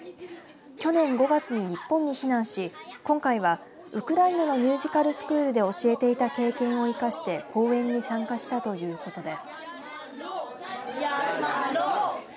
去年５月に日本に避難し今回はウクライナのミュージカルスクールで教えていた経験を生かして公演に参加したということです。